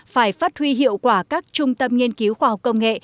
phải phát huy hiệu quả các trung tâm nghiên cứu khoa học công nghệ